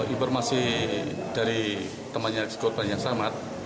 informasi dari temannya sekolah banyak selamat